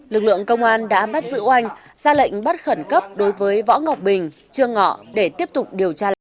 lực lượng công an đã bắt giữ oanh ra lệnh bắt khẩn cấp đối với võ ngọc bình trương ngọ để tiếp tục điều tra làm rõ